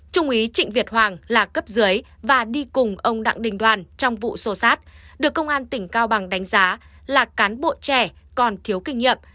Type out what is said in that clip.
trung úy trịnh việt hoàng là cấp dưới và đi cùng ông đặng đình đoàn trong vụ sô sát được công an tỉnh cao bằng đánh giá là cán bộ trẻ còn thiếu kinh nghiệm